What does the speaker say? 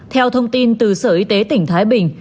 theo thông tin từ sở y tế tỉnh thái bình